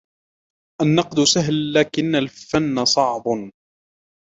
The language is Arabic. النقد سهل لكن الفن صعب